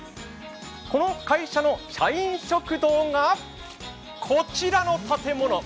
この会社の社員食堂が、こちらの建物。